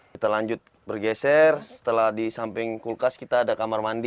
kita lanjut bergeser setelah di samping kulkas kita ada kamar mandi